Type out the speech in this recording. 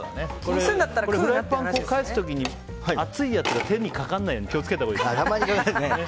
フライパンを返す時に熱いやつが手にかからないように気を付けたほうがいいですね。